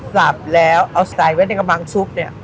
สับแล้วเอาใส่ไว้ในกำลังซุปเนี่ย